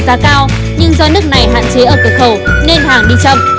giá cao nhưng do nước này hạn chế ở cửa khẩu nên hàng đi chậm